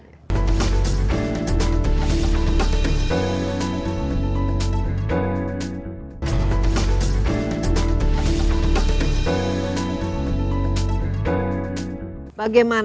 dan mengurangi keadaan